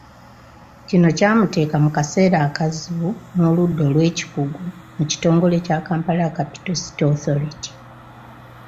Kino kyamuteeka mu kaseera akazibu n’oludda olw’ekikugu mu kitongole kya Kampala Capital City Authority .